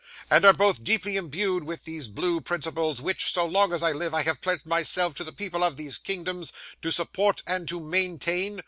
'And are both deeply imbued with those blue principles, which, so long as I live, I have pledged myself to the people of these kingdoms to support and to maintain?